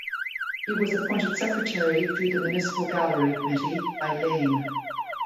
He was appointed secretary to the municipal gallery committee by Lane.